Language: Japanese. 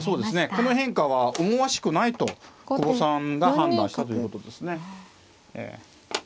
この変化は思わしくないと久保さんが判断したということですね。